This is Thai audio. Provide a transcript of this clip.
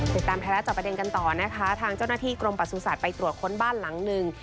ติดตามไทยรัฐจอบประเด็นกันต่อนะคะทางเจ้าหน้าที่กรมประสุทธิ์ไปตรวจค้นบ้านหลังหนึ่ง